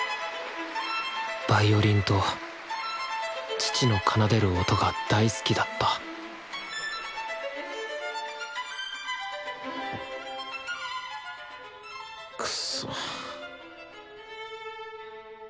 ヴァイオリンと父の奏でる音が大好きだったくそっ。